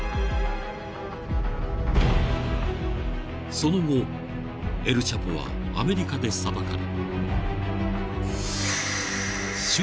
［その後エル・チャポはアメリカで裁かれ］